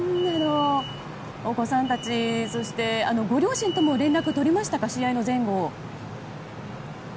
お子さんたちそして、ご両親とも連絡、取りましたか試合の前後。